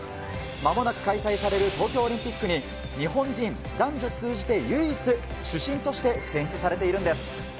まもなく開催される東京オリンピックに、日本人、男女通じて唯一、主審として選出されているんです。